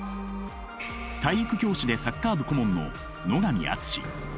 体育教師でサッカー部顧問の野上厚。